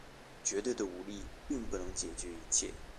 绝对的武力并不能解决一切。